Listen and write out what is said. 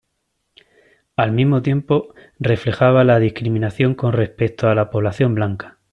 Al mismo tiempo, reflejaba la discriminación con respecto a la población blanca.